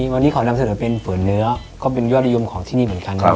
วันนี้ขอนำเสนอเป็นฝืนเนื้อก็เป็นยอดนิยมของที่นี่เหมือนกัน